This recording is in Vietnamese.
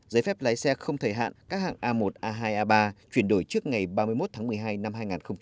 giấy phép lái xe không thời hạn các hạng a một a hai a ba chuyển đổi trước ngày ba mươi một tháng một mươi hai năm hai nghìn hai mươi